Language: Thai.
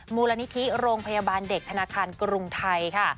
มูลนิธิโรงพยาบาลเด็กธนาคารกรุงไทยค่ะ